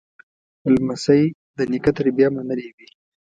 لمسی د نیکه تربیه منلې وي.